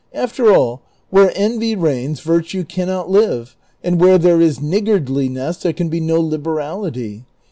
After all, where envy reigns virtue cannot live, and where there is niggardliness there can be no liberality.